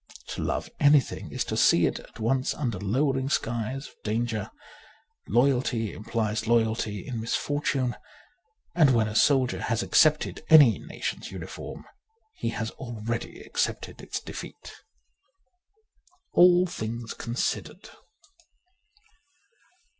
To love anything is to see it at once under lowering skies of danger. Loyalty implies loyalty in misfortune ; and when a soldier has accepted any nation's uniform he has already accepted its defeat. ' All Things Considered.''